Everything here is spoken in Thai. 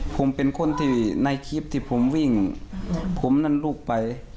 ผมเป็นคนที่ในคลิปที่ผมวิ่งผมนั่นลูกไป